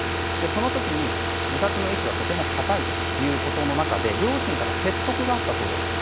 その時に、自殺の意思はとても固いということの中で両親から説得があったそうです。